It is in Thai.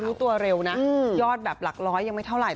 รู้ตัวเร็วนะยอดแบบหลักร้อยยังไม่เท่าไห